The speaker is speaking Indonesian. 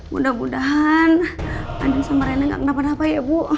mudah mudahan adeng sama rena gak kenapa napa ya bu